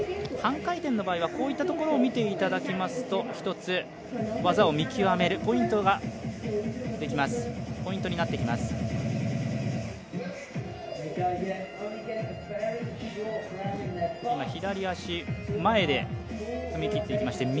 半回転の場合はこういうところを見ていただきますと一つ技を見極めるポイントになってきます。